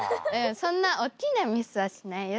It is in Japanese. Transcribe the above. そんなおっきなミスはしないよ